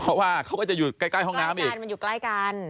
เพราะว่าเขาก็จะอยู่ใกล้ห้องน้ำอีกบ้านมันอยู่ใกล้กัน